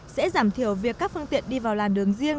sẽ giảm thiểu việc các phương tiện đi vào làn đường riêng